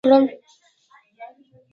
ایا زه باید غلا وکړم؟